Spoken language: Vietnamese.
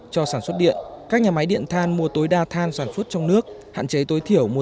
cho sản xuất điện các nhà máy điện than mua tối đa than sản xuất trong nước hạn chế tối thiểu mua